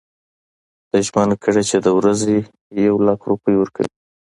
ده ژمنه کړې چې د ورځي یو لک روپۍ ورکوي.